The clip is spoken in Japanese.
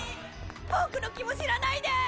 僕の気も知らないで。